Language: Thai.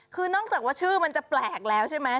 คือนอกจากว่าชื่อมันจะแปลกแล้วใช่ไหม